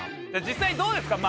実際どうですか。